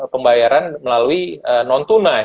pembayaran melalui non tunai